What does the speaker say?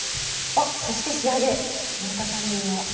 おっそして仕上げ村田さん流の。